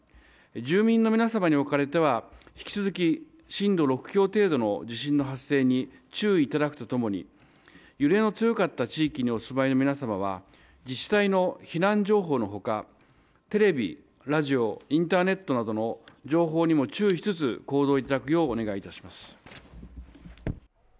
住民の皆様におかれては引き続き震度６強程度の地震の発生に注意いただくとともに、揺れの強かった地域にお住まいの皆様は自治体の避難情報のほかテレビ、ラジオインターネットなどの情報にも注意しつつ行動をお願いいたします。